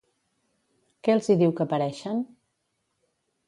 Què els hi diu que pareixen?